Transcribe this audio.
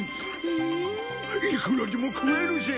いくらでも食えるぜ。